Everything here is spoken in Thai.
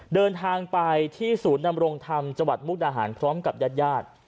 เดินทางไปที่ศูนย์นำรงธรรมจังหวัดมุกดาหารพร้อมกับญาติญาติ